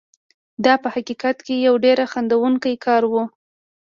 دا په حقیقت کې یو ډېر خندوونکی کار و.